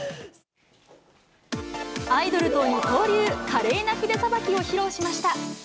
アイドルと二刀流、華麗な筆さばきを披露しました。